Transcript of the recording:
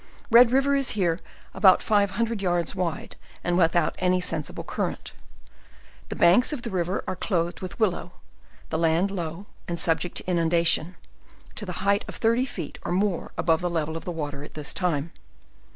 Red river is here about five hundred yards wide, and without any sen sible current. The banks of the river are clothed with wil low; the land low and subject to inundation, to the height of thirty feet or more above the level of the water at this time.